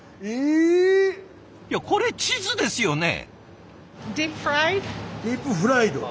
いやこれ地図ですよね？